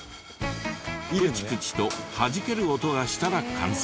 プチプチとはじける音がしたら完成。